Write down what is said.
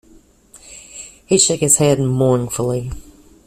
He shook his head mournfully.